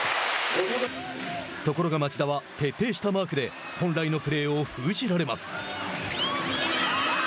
ところが、町田は徹底したマークで本来のプレーを封じられます。